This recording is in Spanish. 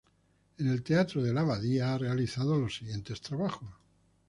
En el Teatro de La Abadía ha realizado los siguientes trabajos